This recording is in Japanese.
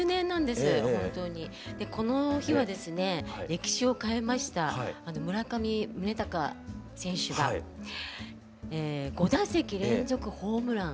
歴史を変えましたあの村上宗隆選手が５打席連続ホームラン。